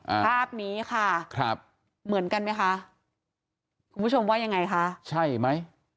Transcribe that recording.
ภาพนี้ค่ะครับเหมือนกันไหมคะคุณผู้ชมว่ายังไงคะใช่ไหม